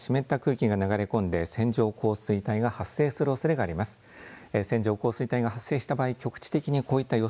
そしてこのあとも九州では湿った空気が流れ込んで線状降水帯が発生するおそれがあります。